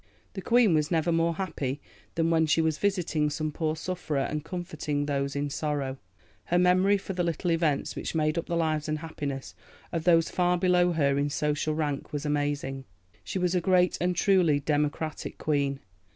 The Queen was never more happy than when she was visiting some poor sufferer and comforting those in sorrow. Her memory for the little events which made up the lives and happiness of those far below her in social rank was amazing. She was a great and a truly democratic Queen.